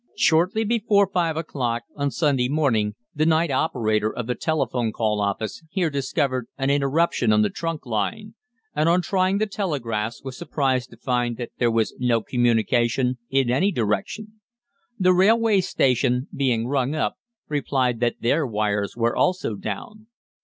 "Shortly before five o'clock on Sunday morning the night operator of the telephone call office here discovered an interruption on the trunk line, and on trying the telegraphs was surprised to find that there was no communication in any direction. The railway station, being rung up, replied that their wires were also down.